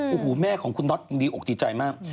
โอ้โหแม่ของคุณน็อตยังดีอกดีใจมาก